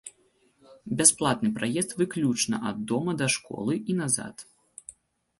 Бясплатны праезд выключна ад дома да школы і назад.